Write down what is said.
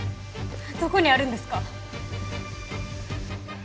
どこにあるんですか？